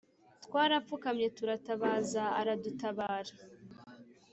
twarapfukamye turatabaza aradutabara